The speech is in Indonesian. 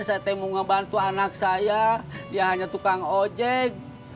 saya mau ngebantu anak saya dia hanya tukang ojek